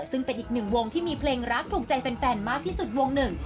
ซึ่งเป็นอีกหนึ่งวงที่มีเพลงรักถูกใจแฟนมากที่สุดวงหนึ่ง